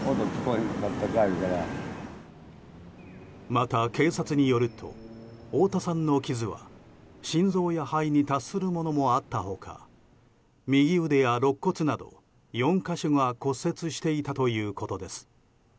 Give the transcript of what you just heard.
また警察によると大田さんの傷は心臓や肺に達するものもあった他右腕やろっ骨など、４か所が骨折していたということです。